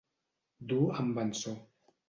Dur en vençó.